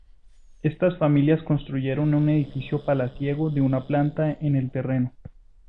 Estas familias construyeron un edificio palaciego de una planta en el terreno.